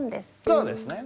そうですね。